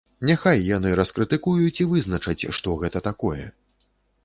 Няхай яны раскрытыкуюць і вызначаць, што гэта такое.